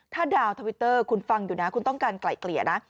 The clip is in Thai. ถ้าดาวน์ทวิตเตอร์คุณฟังอยู่นะคุณต้องการไกล่เกลี่ยนะ